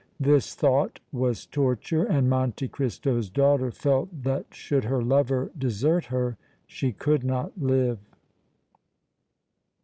This thought was torture, and Monte Cristo's daughter felt that should her lover desert her she could not live.